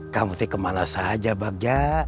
kamu teh kemana saja bagja